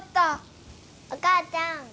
お母ちゃん